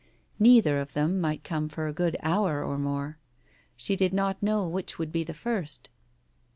Neither of them might come for a good hour or more. She did not know which would be the first.